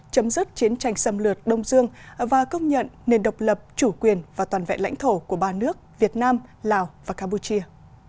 chấm dứt chiến tranh xâm lược đông dương và công nhận nền độc lập chủ quyền và toàn vẹn lãnh thổ của ba nước việt nam lào và campuchia